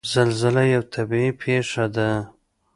زلزله یوه طبعي پېښه ده.